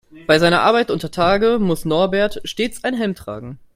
Bei seiner Arbeit untertage muss Norbert stets einen Helm tragen.